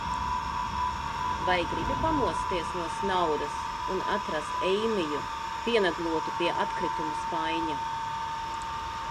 Vai gribi pamosties no snaudas un atrast Eimiju pienaglotu pie atkritumu spaiņa?